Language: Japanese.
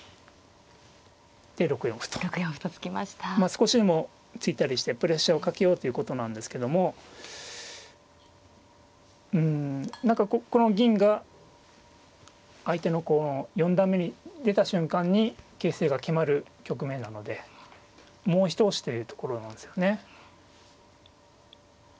少しでも突いたりしてプレッシャーをかけようということなんですけどもうん何かこの銀が相手のこう四段目に出た瞬間に形勢が決まる局面なのでもう一押しというところなんですよね。